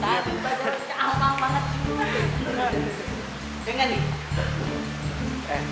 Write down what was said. di bulunya aku tetap mandi selamat